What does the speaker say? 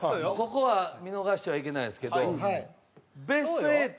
ここは見逃してはいけないですけどベスト８なっております。